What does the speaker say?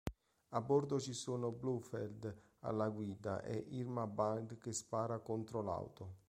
A bordo ci sono Blofeld, alla guida, e Irma Bunt che spara contro l'auto.